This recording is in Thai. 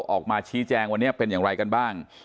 ออกมาชี้แจงวันนี้เป็นอย่างไรกันบ้าง